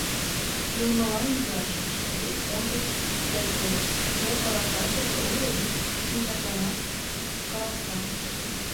Йылмылан вияш, шеҥгеч-ончыч ок ойлышт, мо каласышашыже уло, вик, шинчатланак каласа.